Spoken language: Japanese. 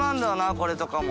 これとかも。